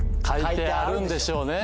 書いてあるんでしょうね。